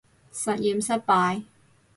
實驗失敗